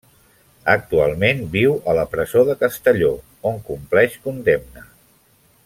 Actualment viu a la presó de Castelló, on compleix condemna.